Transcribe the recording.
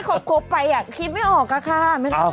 เอาไว้ครบไปคิดไม่ออกค่ะค่ะ